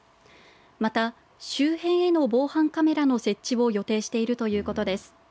また周辺への防犯カメラの設置を予定しているということです。